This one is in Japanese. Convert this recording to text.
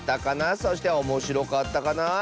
そしておもしろかったかな？